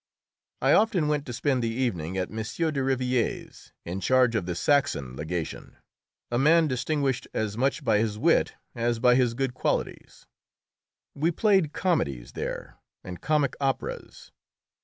I often went to spend the evening at M. de Rivière's, in charge of the Saxon legation, a man distinguished as much by his wit as by his good qualities. We played comedies there, and comic operas.